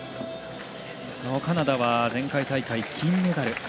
カナダは前回大会で金メダル。